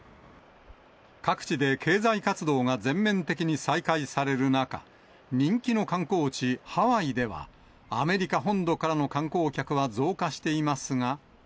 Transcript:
各地で経済活動が全面的に再開される中、人気の観光地、ハワイでは、アメリカ本土からの観光客は増加していますが。